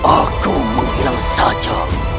aku menghilang saja